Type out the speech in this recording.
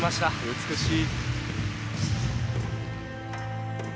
美しい。